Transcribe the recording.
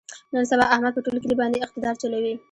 نن سبا احمد په ټول کلي باندې اقتدار چلوي.